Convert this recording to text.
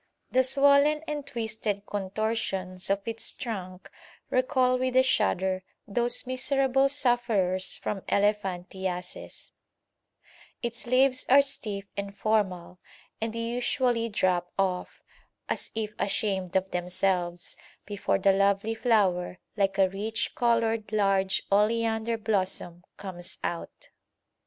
The swollen and twisted contortions of its trunk recall with a shudder those miserable sufferers from elephantiasis; its leaves are stiff and formal, and they usually drop off, as if ashamed of themselves, before the lovely flower, like a rich coloured, large oleander blossom, comes out.